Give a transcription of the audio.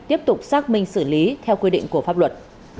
tiếp tục xác minh xử lý theo quy định của pháp luật